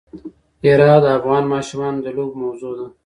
هرات د افغان ماشومانو د لوبو موضوع ده.